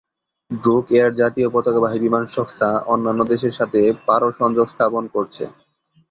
Druk Air জাতীয় পতাকাবাহী বিমানসংস্থা, অন্যান্য দেশগুলোর সাথে পারো সংযোগ স্থাপন করছে।